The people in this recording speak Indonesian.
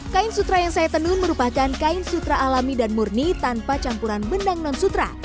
kain sutra yang saya tenun merupakan kain sutra alami dan murni tanpa campuran benang non sutra